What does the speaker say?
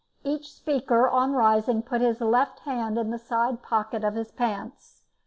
Each speaker on rising put his left hand in the side pocket of his pants.